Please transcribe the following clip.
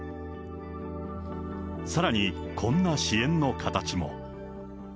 さらにこんな支援の形も。